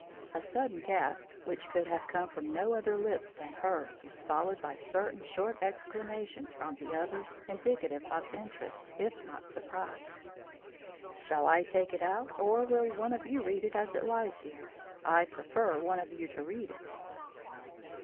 A sudden gasp which could have come from no other lips than hers was followed by certain short exclamations from the others indicative of interest if not surprise. "Shall I take it out? Or will one of you read it as it lies here? I prefer one of you to read it."